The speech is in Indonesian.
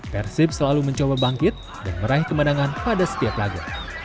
persib selalu mencoba bangkit dan meraih kemenangan pada setiap lagu